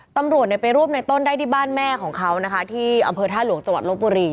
ตำรวจไปรูปในต้นได้ที่บ้านแม่ของเขาที่อำเพิลท่ารุงจรถบุรี